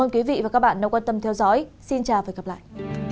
quý vị và các bạn đang quan tâm theo dõi xin chào và hẹn gặp lại